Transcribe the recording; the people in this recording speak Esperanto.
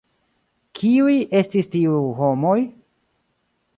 Kiuj estis tiu homoj?